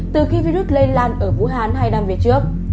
từ khi virus lây lan ở vũ hán hai năm về trước